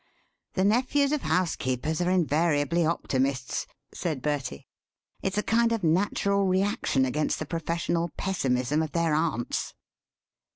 "The nephews of housekeepers are invariably optimists," said Bertie; "it's a kind of natural reaction against the professional pessimism of their aunts."